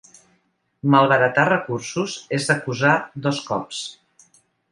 Malbaratar recursos és acusar dos cops.